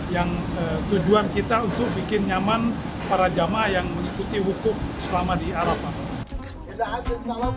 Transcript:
yang tujuan kita untuk bikin nyaman para jamaah yang mengikuti wukuf selama di arafah